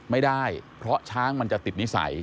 ไม่ได้เพราะช้างมันจะติดนิสัย